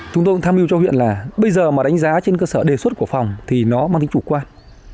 chúng tôi cũng tham mưu cho huyện là bây giờ mà đánh giá trên cơ sở đề xuất của phòng thì nó mang tính chủ quan